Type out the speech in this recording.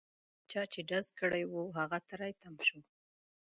چا چې ډز کړی وو هغه تري تم شو.